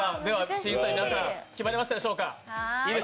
審査員の皆さん、決まりましたでしょうか。